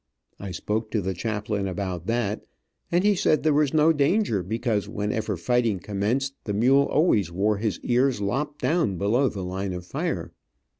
I spoke to the chaplain about that, and he said there was no danger, because whenever fighting commenced the mule always wore his ears lopped down below the line of fire.